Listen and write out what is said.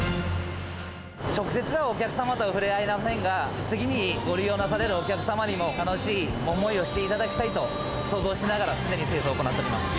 直接はお客様とは触れ合えませんが、次にご利用なされるお客様にも楽しい思いをしていただきたいと想像しながら常に清掃を行っております。